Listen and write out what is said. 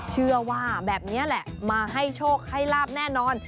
เชื่อว่าแบบนี้แหละมาให้โชคให้ลาบแน่นอน